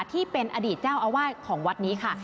ที่เป็นอดีตเจ้าอาวาสของวัดนี้ค่ะ